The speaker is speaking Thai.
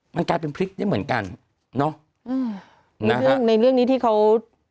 มันกลายเป็นพริกเนี่ยเหมือนกันเนาะในเรื่องนี้ที่เขา